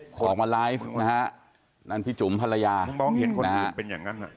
ออกมาไลฟ์นะฮะนั่นพี่จุ๋มภรรยาต้องเห็นคนอื่นเป็นอย่างนั้น